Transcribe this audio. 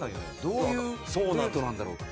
どういうデートなんだろう？